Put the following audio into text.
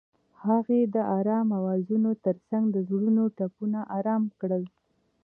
هغې د آرام اوازونو ترڅنګ د زړونو ټپونه آرام کړل.